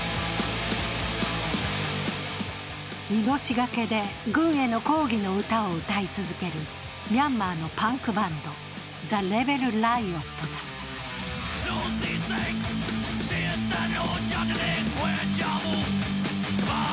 命懸けで軍への抗議の歌を歌い続けるミャンマーのパンクバンドザ・レベル・ライオットだ。